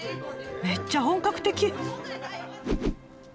めっちゃ本格的！